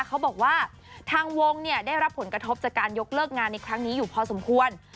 เขาบอกว่าทางวงเนี่ยได้รับผลกระทบจากการยกเลิกงานในครั้งนี้อยู่พอสมควร